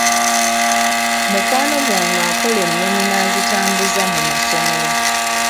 Mukwano gwange akola ennoni n'azitambuza mu masomero.